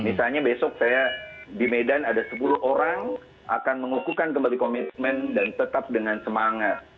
misalnya besok saya di medan ada sepuluh orang akan mengukuhkan kembali komitmen dan tetap dengan semangat